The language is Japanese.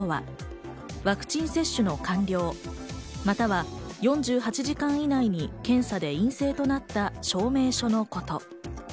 衛生パスとはワクチン接種の完了、または４８時間以内に検査で陰性となった証明書のこと。